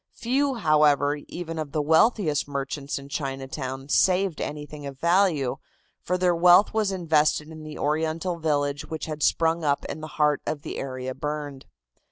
Few, however, even of the wealthiest merchants in Chinatown, saved anything of value, for their wealth was invested in the Oriental village which had sprung up in the heart of the area burned.